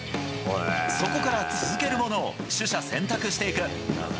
そこから続けるものを取捨選択していく。